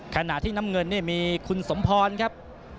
ขณะที่น้ำเงินนี่มีคุณสมพรครับ